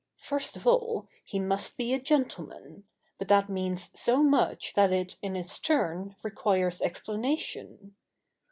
First of all, he must be a gentleman; but that means so much that it, in its turn, requires explanation.